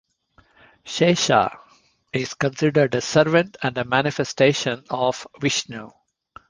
Shesha is considered a servant and a manifestation of Vishnu.